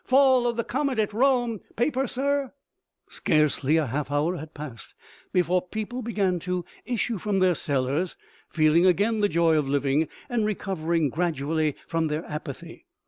Fall of the comet at Rome ! Paper, sir f " Scarcely a half hour had passed before people began to issue from their cellars, feeling again the joy of living, and recovering gradually from their apathy.